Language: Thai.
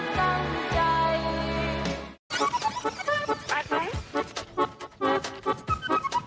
ของต่างเล็กน้อง